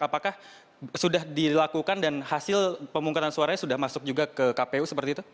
apakah sudah dilakukan dan hasil pemungutan suaranya sudah masuk juga ke kpu seperti itu